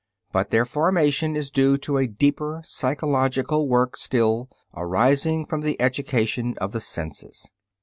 But their formation is due to a deeper psychological work still, arising from the education of the senses.